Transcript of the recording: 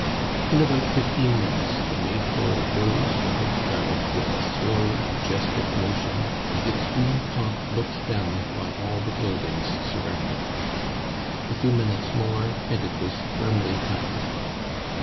In about fifteen minutes the May pole rose over the crowd with a slow, majestic motion, and its green top looked down upon all the buildings surround ing it A few minutes more and it was firmly planted.